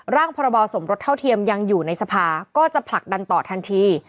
พรบสมรสเท่าเทียมยังอยู่ในสภาก็จะผลักดันต่อทันที